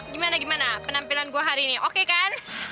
gimana gimana penampilan gue hari ini oke kan